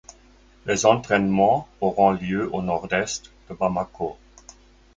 Les entraînements auront lieu au nord-est de Bamako.